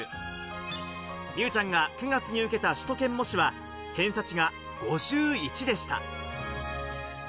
美羽ちゃんが９月に受けた首都圏模試は偏差値が５１でした。